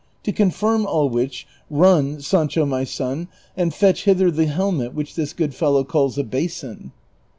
To confirm all which, run, Sancho my son, and fetch hither the helmet which this good fellow calls a basin."